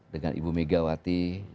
dengan ibu megawati